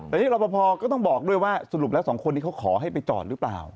แต่นี่รอปภก็ต้องบอกด้วยว่าสรุปแล้วสองคนนี้เขาขอให้ไปจอดหรือเปล่า